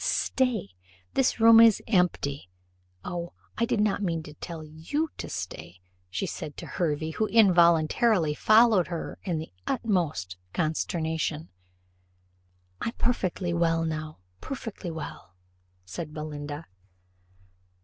Stay! this room is empty. O, I did not mean to tell you to stay," said she to Hervey, who involuntarily followed her in the utmost consternation. "I'm perfectly well, now perfectly well," said Belinda.